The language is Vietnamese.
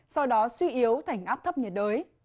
sau đó suy yếu thành áp thấp nhiệt đới